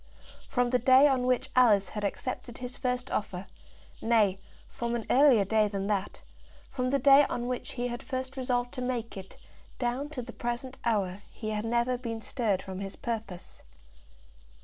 From the day on which Alice had accepted his first offer, nay, from an earlier day than that; from the day on which he had first resolved to make it, down to the present hour, he had never been stirred from his purpose.